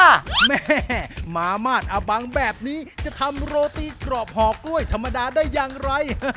แม่มาม่านอนบังแบบนี้จะทำโรตีกรอบห่อกล้วยธรรมดาได้อย่างไร